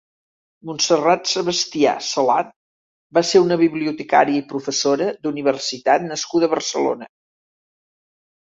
Montserrat Sebastià Salat va ser una bibliotecària i professora d'universitat nascuda a Barcelona.